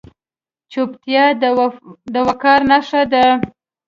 چوپتیا، د وقار نښه ده.